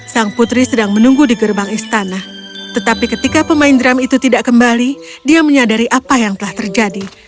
sang putri sedang menunggu di gerbang istana tetapi ketika pemain drum itu tidak kembali dia menyadari apa yang telah terjadi